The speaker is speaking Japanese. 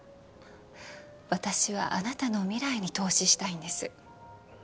私はあなたの未来に投資したいんです